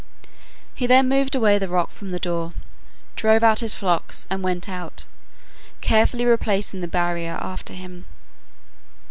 He then moved away the rock from the door, drove out his flocks, and went out, carefully replacing the barrier after him.